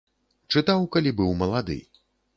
Чытаў, калі быў малады.